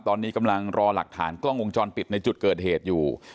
ตอนนี้กำลังรอหลักฐานกล้องวงจรปิดในจุดเกิดเหตุอยู่